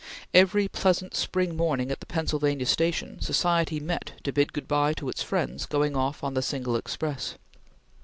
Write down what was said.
Every pleasant spring morning at the Pennsylvania Station, society met to bid good bye to its friends going off on the single express.